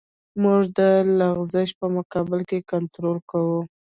موږ د لغزش په مقابل کې کنټرول کوو